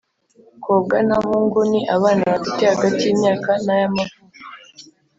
Kobwa na Hungu ni abana bafite hagati y imyaka na y amavuko